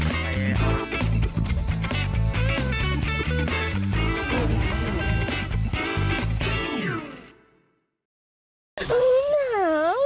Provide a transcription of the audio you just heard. น้ำ